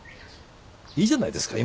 いいじゃないですか。